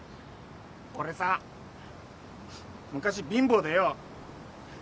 俺さ昔貧乏でよ